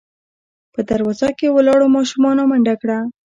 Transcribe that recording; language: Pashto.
په دروازه کې ولاړو ماشومانو منډه کړه.